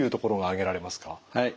はい。